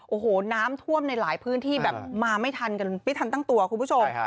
โอ้โหน้ำท่วมในหลายพื้นที่แบบมาไม่ทันกันไม่ทันตั้งตัวคุณผู้ชม